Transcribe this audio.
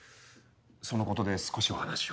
そのことで少しお話を。